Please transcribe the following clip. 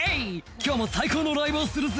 今日も最高のライブをするぜ」